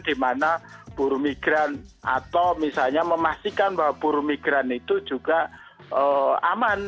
di mana buru migran atau misalnya memastikan bahwa buruh migran itu juga aman